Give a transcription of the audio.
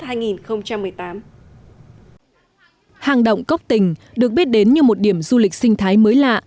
hàng động cốc tình được biết đến như một điểm du lịch sinh thái mới lạ